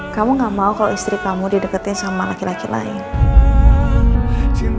kamu gak mau kalau istri kamu didepetin sama laki laki lain